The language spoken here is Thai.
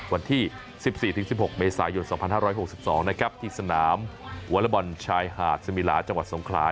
วันที่๑๔๑๖เมษายน๒๕๖๒นะครับที่สนามวอเลอร์บอลชายหาดสมิลาจังหวัดสงขลา